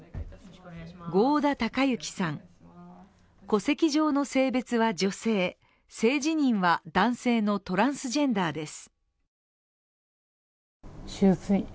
合田貴将さん、戸籍上の性別は女性性自認は男性のトランスジェンダーです。